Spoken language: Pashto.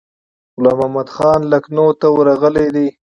غلام محمدخان لکنهو ته ورغلی دی.